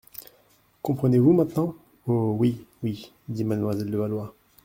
Comprenez-vous maintenant ? Oh ! oui, oui, dit mademoiselle de Valois.